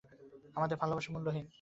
আমাদের ভালবাসা মূল্যহীন।